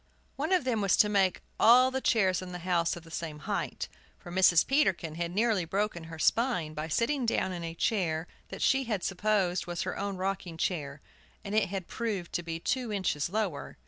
One of them was to make all the chairs in the house of the same height, for Mrs. Peterkin had nearly broken her spine by sitting down in a chair that she had supposed was her own rocking chair, and it had proved to be two inches lower.